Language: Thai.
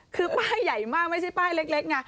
คือพูดค่ะป้ายใหญ่มากไม่ใช่ป้ายเล็ก